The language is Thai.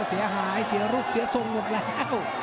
เสียหายเสียรูปเสียทรงหมดแล้ว